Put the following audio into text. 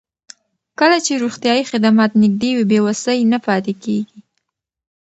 کله چې روغتیايي خدمات نږدې وي، بې وسۍ نه پاتې کېږي.